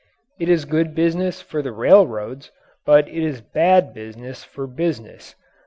It is good business for the railroads, but it is bad business for business.